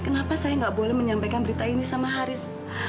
kenapa saya nggak boleh menyampaikan berita ini sama haris